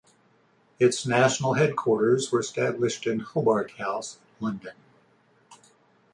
Its national headquarters were established in Hobart House, London.